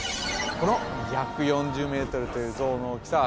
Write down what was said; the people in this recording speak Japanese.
この２４０ｍという像の大きさは